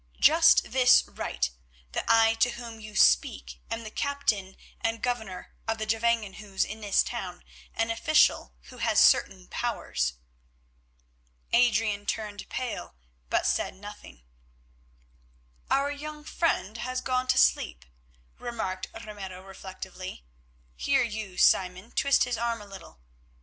"Just this right—that I to whom you speak am the Captain and Governor of the Gevangenhuis in this town, an official who has certain powers." Adrian turned pale but said nothing. "Our young friend has gone to sleep," remarked Ramiro, reflectively. "Here you, Simon, twist his arm a little.